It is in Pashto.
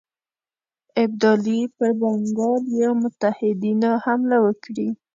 ابدالي پر بنګال او یا متحدینو حمله وکړي.